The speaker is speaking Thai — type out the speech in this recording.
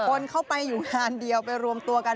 คนเข้าไปอยู่งานเดียวไปรวมตัวกัน